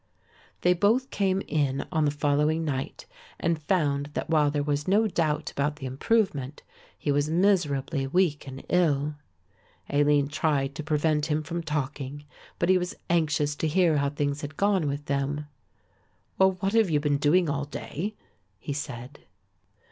They both came in on the following night and found that while there was no doubt about the improvement, he was miserably weak and ill. Aline tried to prevent him from talking, but he was anxious to hear how things had gone with them. "Well, what have you been doing all day?" he said.